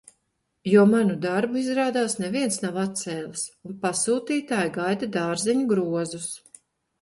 Jo manu darbu, izrādās, neviens nav atcēlis, un pasūtītāji gaida dārzeņu grozus.